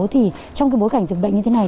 thì trong cái bối cảnh dịch bệnh như thế này